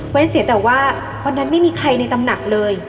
เสียแต่ว่าวันนั้นไม่มีใครในตำหนักเลย